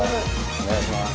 お願いします。